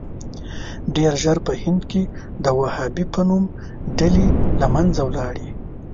ډېر ژر په هند کې د وهابي په نوم ډلې له منځه ولاړې.